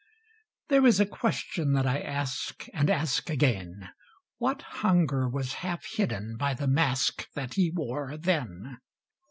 /' There is a question that I ask, And ask again: What hunger was half hidden by the mask That he wore then?